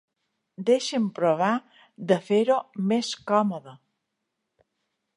Deixa'm provar de fer-ho més còmode.